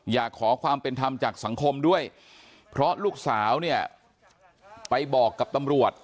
อยากขอความเป็นธรรมจากสังคมด้วยเพราะลูกสาวเนี่ยไปบอกกับตำรวจ